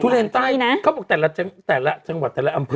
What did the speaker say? เลนใต้นะเขาบอกแต่ละจังหวัดแต่ละอำเภอ